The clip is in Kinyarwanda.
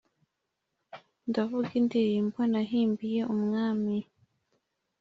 Ndavuga indirimbo nahimbiye umwami